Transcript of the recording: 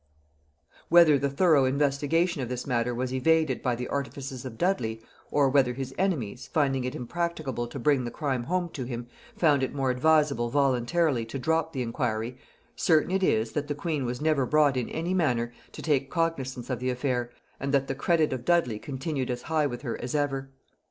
Whether the thorough investigation of this matter was evaded by the artifices of Dudley, or whether his enemies, finding it impracticable to bring the crime home to him, found it more advisable voluntarily to drop the inquiry, certain it is, that the queen was never brought in any manner to take cognisance of the affair, and that the credit of Dudley continued as high with her as ever.